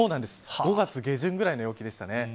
５月下旬ぐらいの陽気でしたね。